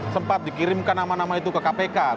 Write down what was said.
sempat dikirimkan nama nama itu ke kpk